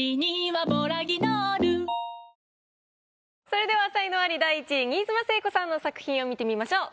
それでは才能アリ第１位新妻聖子さんの作品を見てみましょう。